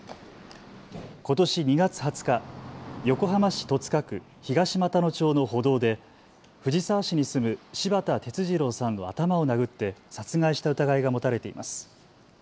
ことし２月２０日、横浜市戸塚区東俣野町の歩道で藤沢市に住む柴田哲二郎さんの頭を殴って殺害した疑いが持たれています。